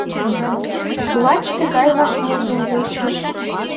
Лач тыгай вашмутым вучыш.